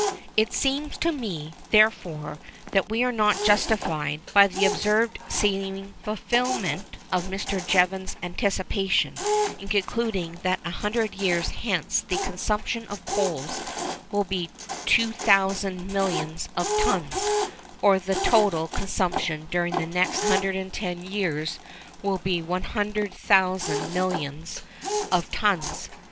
It seems to me, therefore, that we are not justified, by the observed seeming fulfilment of Mr. Jevons's anticipations, in concluding that a hundred years hence the consumption of coals will be 2,000 millions of tons, or that the total consumption during the next 110 years will be 100,000 millions of tons.